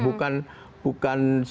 bukan sumber dayanya yang soal listrik